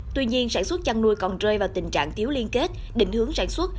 tuy nhiên sản xuất chăn nuôi còn rơi vào tình trạng thiếu liên kết định hướng sản xuất